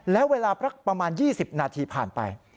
แล้วเวลาสักประมาณ๒๐นาทีผ่านไป